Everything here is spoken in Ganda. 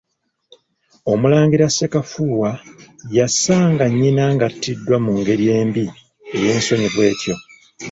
Omulangira Ssekafuuwa yasanga nnyina ng'attiddwa mu ngeri embi ey'ensonyi bw'etyo.